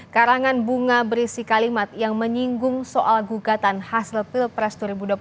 karangan bunga berisi kalimat yang menyinggung soal gugatan hasil pilpres dua ribu dua puluh empat